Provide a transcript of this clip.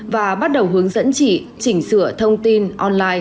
và bắt đầu hướng dẫn chị chỉnh sửa thông tin online